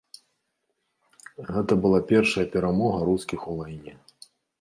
Гэта была першая перамога рускіх у вайне.